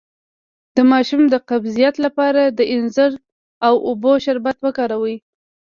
د ماشوم د قبضیت لپاره د انځر او اوبو شربت وکاروئ